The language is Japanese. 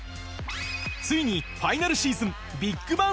ついにファイナルシーズン